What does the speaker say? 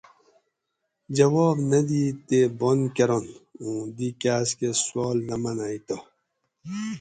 جواب نہ دِیت تے بند کرنت اوں دی کاۤس کہ سوال نہ منئی تہ